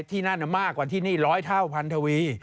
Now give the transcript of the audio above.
ที่นั่นมากกว่าที่นี่ร้อยเท่าพันทวี